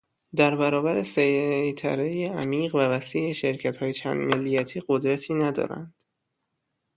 در برابر سیطره ی عمیق و وسیع شرکت های چند ملیتی قدرتی ندارند.